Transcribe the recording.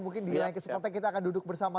mungkin di lain kesempatan kita akan duduk bersama